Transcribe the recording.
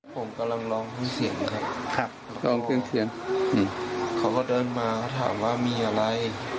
ผมกำลังร้องเสียงเขาก็เดินมาถามว่ามีอะไร